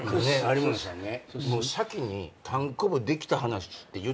有村さんね。